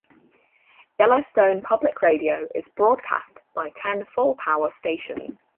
Yellowstone Public Radio is broadcast by ten full-power stations.